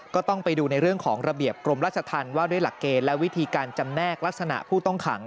ก็ต้องไปดูในเรื่องของระเบียบกรมราชธรรมว่าด้วยหลักเกณฑ์และวิธีการจำแนกลักษณะผู้ต้องขัง